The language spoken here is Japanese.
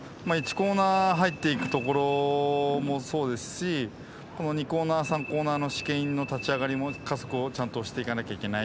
コーナー入っていく所もそうですしこの２コーナー３コーナーのシケインの立ち上がりも加速をちゃんとしていかなきゃいけない。